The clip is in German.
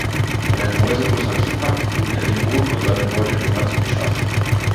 Wenn ein Mäusebussard zupackt, sieht er den Boden und seine Beute nur ganz unscharf.